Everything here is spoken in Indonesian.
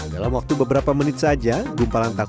dalam waktu beberapa menit saja